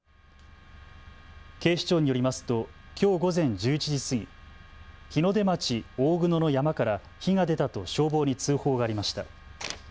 警視庁によりますときょう午前１１時過ぎ、日の出町大久野の山から火が出たと消防に通報がありました。